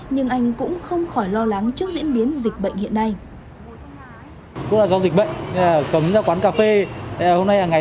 nhưng anh cũng không khỏi lo lắng trước diễn biến dịch bệnh hiện nay